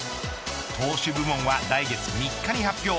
投手部門は来月３日に発表。